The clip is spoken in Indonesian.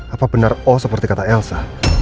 apa benar oh seperti kata elsa